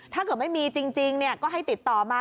ถ้าเกิดไม่มีจริงก็ให้ติดต่อมา